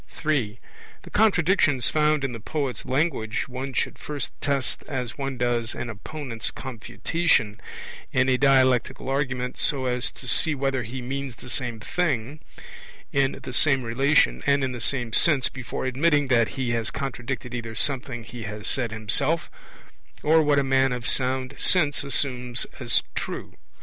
(3) The contradictions found in the poet's language one should first test as one does an opponent's confutation in a dialectical argument, so as to see whether he means the same thing, in the same relation, and in the same sense, before admitting that he has contradicted either something he has said himself or what a man of sound sense assumes as true.